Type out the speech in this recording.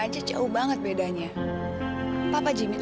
jadi kamu gak tau wi